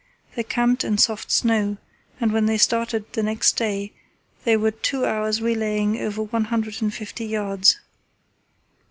They camped in soft snow, and when they started the next day they were two hours relaying over one hundred and fifty yards.